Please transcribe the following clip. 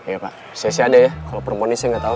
iya pak saya sih ada ya kalo perempuan ini saya gak tau